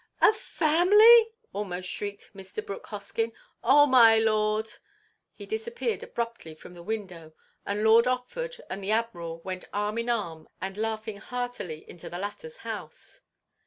"A family!" almost shrieked Mr. Brooke Hoskyn. "Oh, my Lord!" He disappeared abruptly from the window, and Lord Otford and the Admiral went arm in arm and laughing heartily into the latter's house.